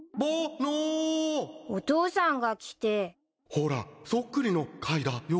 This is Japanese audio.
ほらそっくりの貝だよ